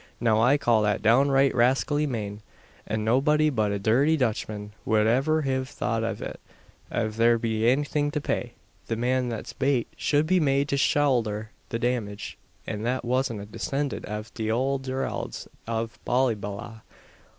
Now I call that downright rascally mane; an nobody but a dhirty Dutchman wud iver hiv thought av it. Av there be anythin' to pay, the man that's bate should be made to showldor the damage, an that wasn't a discindant av the owld Geralds av Ballyballagh.